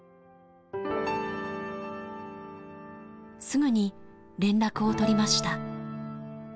すぐに連絡を取りました。